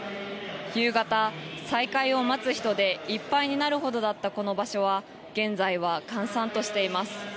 夕方、再開を待つ人でいっぱいになるほどだったこの場所は現在は閑散としています。